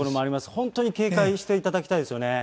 本当に警戒していただきたいですよね。